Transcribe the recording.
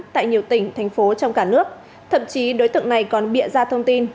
tại nhiều tỉnh thành phố trong cả nước thậm chí đối tượng này còn bịa ra thông tin